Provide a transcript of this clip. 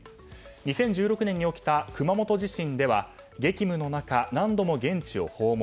２０１６年に起きた熊本地震では、激務の中何度も現地を訪問。